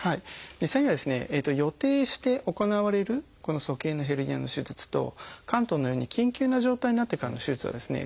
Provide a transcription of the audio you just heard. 実際にはですね予定して行われる鼠径のヘルニアの手術と嵌頓のように緊急な状態になってからの手術はですね